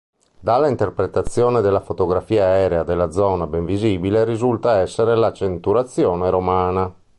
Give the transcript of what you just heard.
Dalla interpretazione della fotografia aerea della zona ben visibile risulta essere la centuriazione romana.